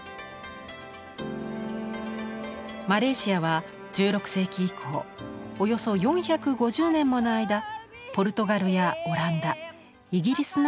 マレーシアは１６世紀以降およそ４５０年もの間ポルトガルやオランダイギリスなどの植民地でした。